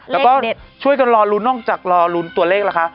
และช่วยจนรอรุนรอรุนโดยตัวเลขเหรอคะ